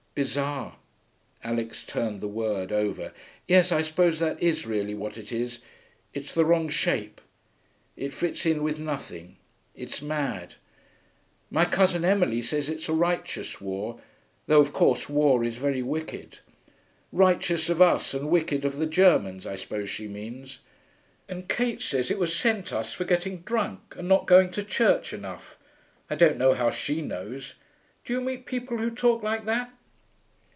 'Bizarre.' Alix turned the word over. 'Yes, I suppose that is really what it is.... It's the wrong shape; it fits in with nothing; it's mad.... My cousin Emily says it's a righteous war, though of course war is very wicked. Righteous of us and wicked of the Germans, I suppose she means. And Kate says it was sent us, for getting drunk and not going to church enough. I don't know how she knows. Do you meet people who talk like that?'